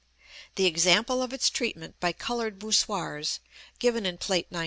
The example of its treatment by colored voussoirs, given in Plate XIX.